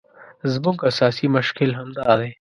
زموږ اساسي مشکل همدا دی.